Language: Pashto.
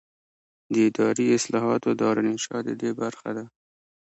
د اداري اصلاحاتو دارالانشا ددې برخه ده.